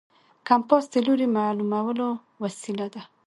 کمپاس د لوري معلومولو وسیله ده.